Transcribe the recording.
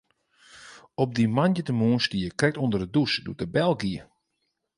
Op dy moandeitemoarn stie ik krekt ûnder de dûs doe't de bel gie.